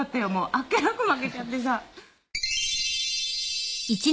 あっけなく負けちゃってさ。